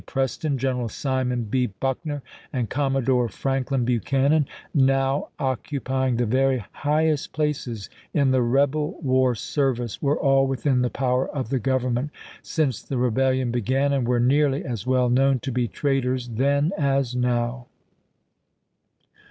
Preston, General Simon B. Buckner, and Commodore Franklin Buchanan, now occupying the very highest places in the rebel war service, were all within the power of the Govern ment since the rebellion began, and were nearly as well known to be traitors then as now.